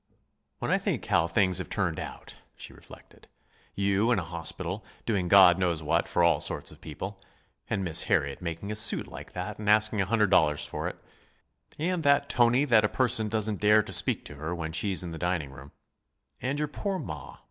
"When I think how things have turned out!" she reflected. "You in a hospital, doing God knows what for all sorts of people, and Miss Harriet making a suit like that and asking a hundred dollars for it, and that tony that a person doesn't dare to speak to her when she's in the dining room. And your poor ma...